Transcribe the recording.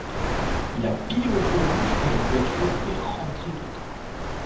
Il a pilé au feu rouge, et une voiture lui est rentré dedans.